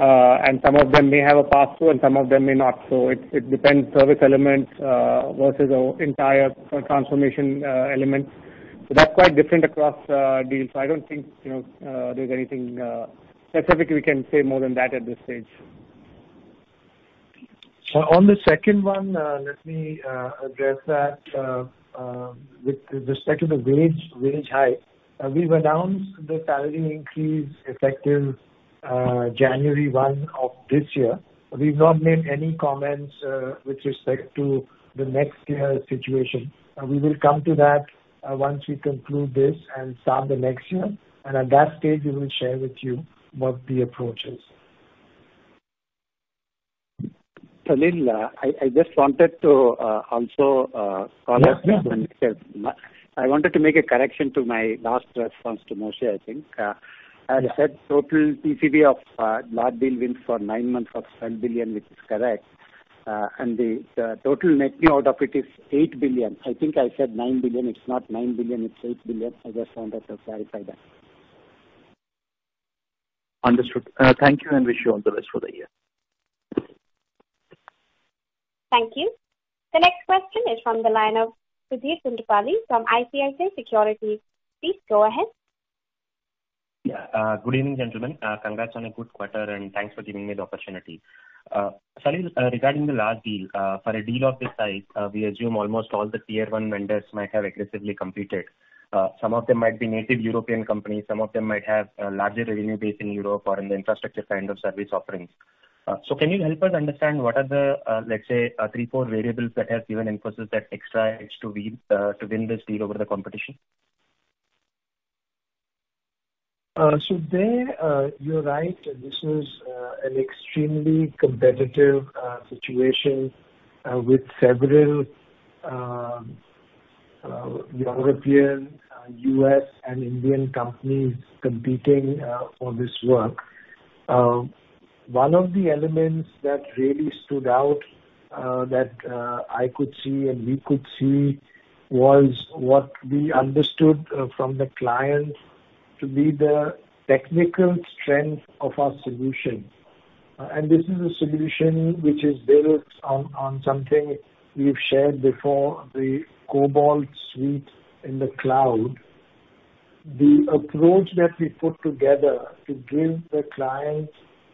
Some of them may have a pass-through, and some of them may not. It depends, service elements versus entire transformation elements. That's quite different across deals. I don't think there's anything specific we can say more than that at this stage. On the second one, let me address that with respect to the wage hike. We've announced the salary increase effective January 1 of this year. We've not made any comments with respect to the next year situation. We will come to that once we conclude this and start the next year. At that stage, we will share with you what the approach is. Salil, I just wanted to also call out. Yeah. I wanted to make a correction to my last response to Moshe, I think. I said total TCV of large deal wins for nine months of $7 billion, which is correct. The total net new out of it is $8 billion. I think I said $9 billion. It's not $9 billion, it's $8 billion. I just wanted to clarify that. Understood. Thank you, and wish you all the best for the year. Thank you. The next question is from the line of Sudheer Guntupalli from ICICI Securities. Please go ahead. Yeah. Good evening, gentlemen. Congrats on a good quarter, and thanks for giving me the opportunity. Salil, regarding the large deal, for a deal of this size, we assume almost all the Tier 1 vendors might have aggressively competed. Some of them might be native European companies, some of them might have a larger revenue base in Europe or in the infrastructure kind of service offerings. Can you help us understand what are the, let's say, three, four variables that have given Infosys that extra edge to win this deal over the competition? There, you're right. This is an extremely competitive situation with several European, U.S., and Indian companies competing for this work. One of the elements that really stood out that I could see, and we could see, was what we understood from the client to be the technical strength of our solution. This is a solution which is built on something we've shared before, the Infosys Cobalt in the cloud. The approach that we put together to give the client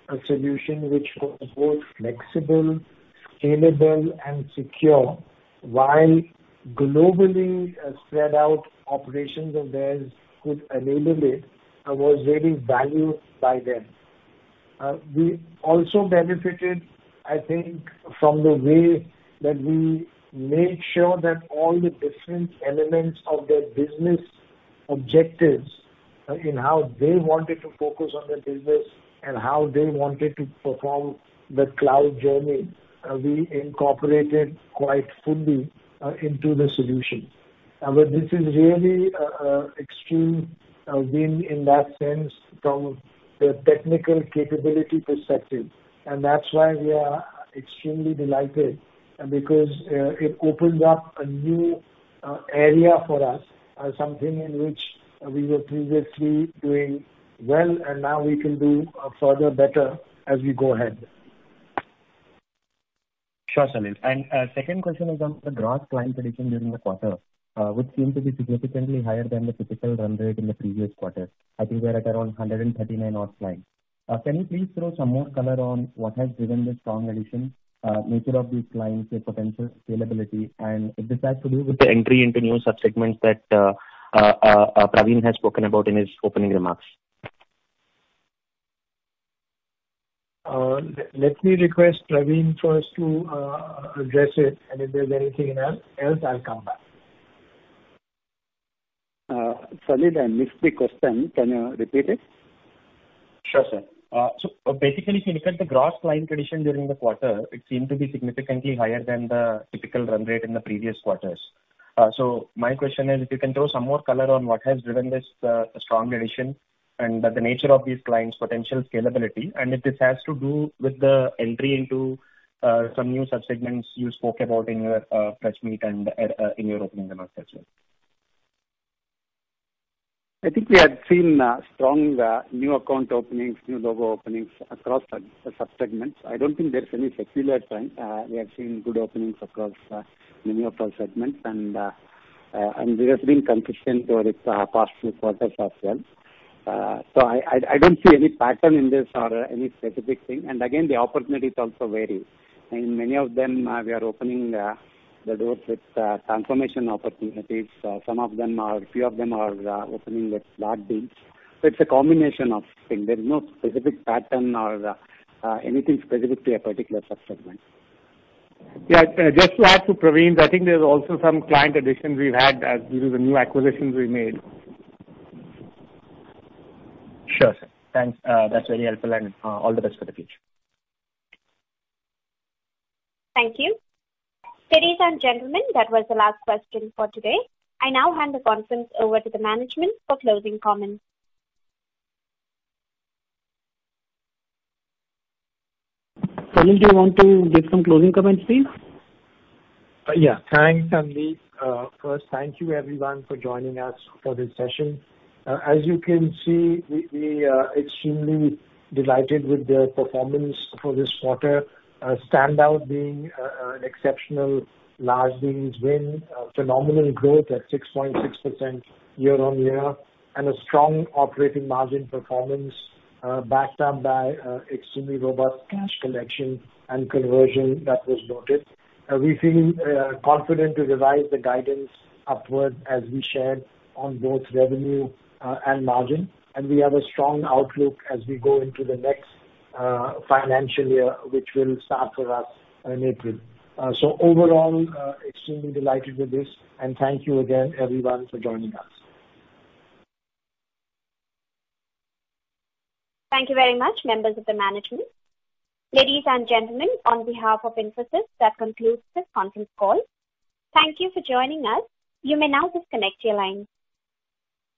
a solution which was both flexible, scalable, and secure while globally spread-out operations of theirs could enable it was really valued by them. We also benefited, I think, from the way that we made sure that all the different elements of their business objectives in how they wanted to focus on their business and how they wanted to perform the cloud journey, we incorporated quite fully into the solution. This is really extreme win in that sense from the technical capability perspective. That's why we are extremely delighted because it opens up a new area for us, something in which we were previously doing well, and now we can do further better as we go ahead. Sure, Salil. Second question is on the gross client addition during the quarter, which seemed to be significantly higher than the typical run rate in the previous quarter. I think we are at around 139 odd clients. Can you please throw some more color on what has driven this strong addition, nature of these clients, their potential scalability, and if this has to do with the entry into new sub-segments that Pravin has spoken about in his opening remarks? Let me request Pravin first to address it, and if there's anything else, I'll come back. Salil, I missed the question. Can you repeat it? Sure, sir. Basically, the gross client addition during the quarter, it seemed to be significantly higher than the typical run rate in the previous quarters. My question is, if you can throw some more color on what has driven this strong addition and the nature of these clients' potential scalability, and if this has to do with the entry into some new sub-segments you spoke about in your press meet and in your opening remarks as well. I think we had seen strong new account openings and new logo openings across sub-segments. I don't think there's any secular trend. We are seeing good openings across many of our segments, and this has been consistent over the past few quarters as well. I don't see any pattern in this or any specific thing. Again, the opportunities also vary. In many of them, we are opening the doors with transformational opportunities. A few of them are opening with large deals. It's a combination of things. There is no specific pattern or anything specific to a particular sub-segment. Yeah. Just to add to Pravin's, I think there's also some client additions we've had due to the new acquisitions we made. Sure, sir. Thanks. That's very helpful, and all the best for the future. Thank you. Ladies and gentlemen, that was the last question for today. I now hand the conference over to the management for closing comments. Salil, do you want to give some closing comments, please? Yeah. Thanks, Sandeep. First, thank you everyone for joining us for this session. As you can see, we are extremely delighted with the performance for this quarter. Stand out being exceptional large deals win, a phenomenal growth at 6.6% year-on-year, and a strong operating margin performance backed up by extremely robust cash collection and conversion that was noted. We feel confident to revise the guidance upward as we shared on both revenue and margin, and we have a strong outlook as we go into the next financial year, which will start for us in April. Overall, extremely delighted with this, and thank you again, everyone, for joining us. Thank you very much, members of the management. Ladies and gentlemen, on behalf of Infosys, that concludes this conference call. Thank you for joining us. You may now disconnect your lines.